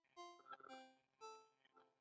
د نجونو تعلیم د فقر کچه راټیټوي.